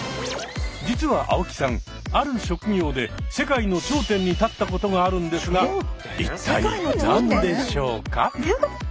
実は青木さんある職業で世界の頂点に立ったことがあるんですが一体何でしょうか？